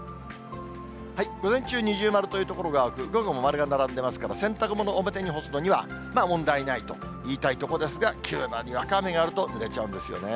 午前中、二重丸という所が多く、午後も丸が並んでますから、洗濯物、表に干すのには問題ないと言いたいところですが、急なにわか雨があるとぬれちゃうんですよね。